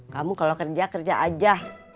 kamu kalau kerja kerja aja